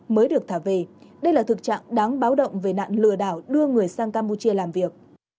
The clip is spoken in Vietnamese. mới được thả về đây là thực trạng đáng báo động về nạn lừa đảo đưa người sang campuchia làm việc